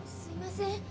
すいません